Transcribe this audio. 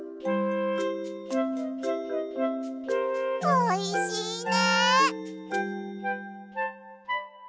おいしいね。